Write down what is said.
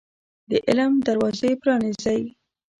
د علم دروازي پرانيزۍ